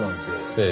ええ。